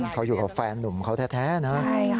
เขาอยู่กับแฟนนุ่มเขาแท้นะ